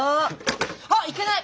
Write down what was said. あっいけない！